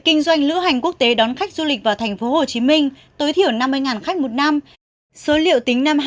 kinh doanh lưu hành quốc tế đón khách du lịch vào tp hcm tối thiểu năm mươi khách một năm số liệu tính